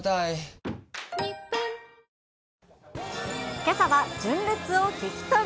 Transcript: けさは純烈を聞き取り。